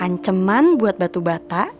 tapi anceman buat batu bata